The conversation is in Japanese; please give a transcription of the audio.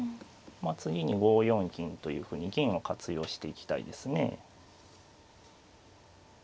まあ次に５四銀というふうに銀を活用していきたいですね。